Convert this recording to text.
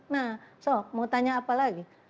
nah sok mau tanya apa lagi